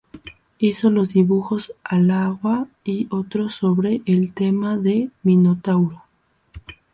Hizo los dibujos al agua y otros sobre el tema del Minotauro.